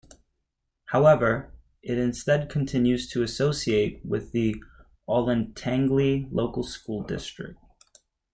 However, it instead continues to associate with the Olentangy Local School District.